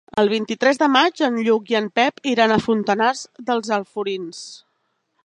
El vint-i-tres de maig en Lluc i en Pep iran a Fontanars dels Alforins.